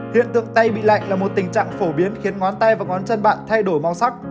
hiện tượng tay bị lạnh là một tình trạng phổ biến khiến ngón tay và ngón chân bạn thay đổi màu sắc